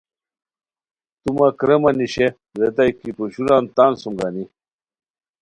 تو مہ کریمہ نیشے ریتائے کی پوشوران تان سوم گانی